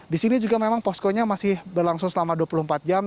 di sini juga memang poskonya masih berlangsung selama dua puluh empat jam